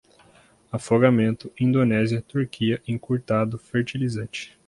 afogamento, Indonésia, Turquia, encurtado, fertilizante